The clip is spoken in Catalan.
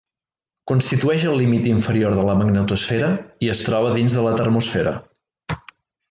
Constitueix el límit inferior de la magnetosfera i es troba dins de la termosfera.